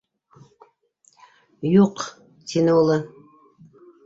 - Юҡ, - тине улы.